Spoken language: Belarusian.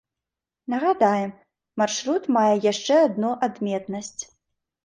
Нагадаем, маршрут мае яшчэ адну адметнасць.